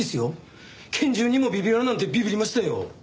拳銃にもビビらんなんてビビりましたよ。